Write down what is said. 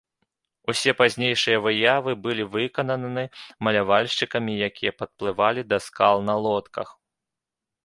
Усе пазнейшыя выявы былі выкананы малявальшчыкамі, якія падплывалі да скал на лодках.